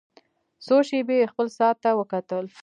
څو شېبې يې خپل ساعت ته وکتل.